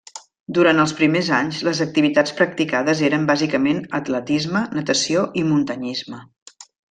Durant els primers anys les activitats practicades eren bàsicament atletisme, natació i muntanyisme.